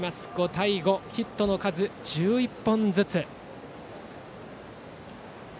５対５、ヒットの数１１本ずつ。